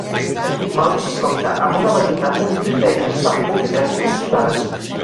Maurici compta amb una varietat de biblioteques, tant públiques com privades.